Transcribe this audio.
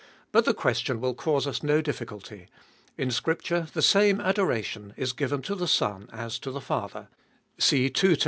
But the question will cause us no difficulty. In Scripture the same adoration is given to the Son as to the Father (see 2 Tim.